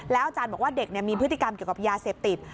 อาจารย์บอกว่าเด็กมีพฤติกรรมเกี่ยวกับยาเสพติด